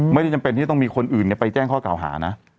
ไม่จำเป็นที่ต้องมีคนอื่นเนี่ยไปแจ้งข้อเก่าหานะ